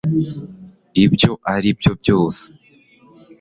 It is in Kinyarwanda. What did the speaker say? ibyo ari byo byose